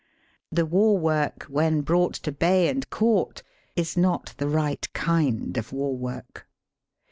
The war work when brought to bay and caught is not the right kind of war work.